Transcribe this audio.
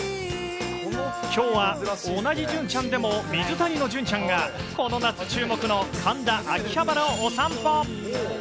きょうは同じじゅんちゃんでも水谷の隼ちゃんが、この夏、注目の神田・秋葉原をお散歩。